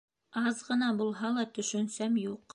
Аҙ ғына булһа ла төшөнсәм юҡ